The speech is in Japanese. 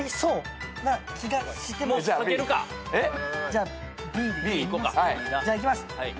じゃあいきます。